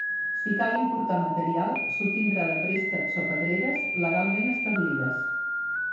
Si cal importar material, s'obtindrà de préstecs o pedreres legalment establides.